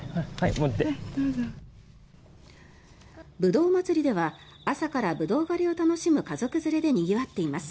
ぶどう祭りでは朝からブドウ狩りを楽しむ家族連れでにぎわっています。